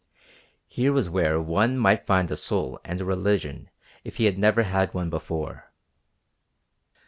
Here was where one might find a soul and a religion if he had never had one before.